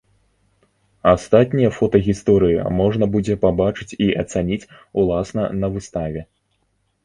Астатнія фотагісторыі можна будзе пабачыць і ацаніць уласна на выставе.